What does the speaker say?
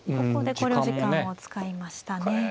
ここで考慮時間を使いましたね。